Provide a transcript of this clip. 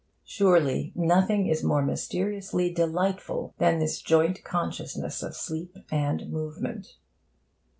Surely, nothing is more mysteriously delightful than this joint consciousness of sleep and movement.